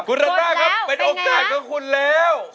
คุณรันต้าครับเป็นโอกาสของคุณแล้ว